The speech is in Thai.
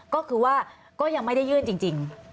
ก็คือว่าก็ยังไม่ได้ยื่นจริง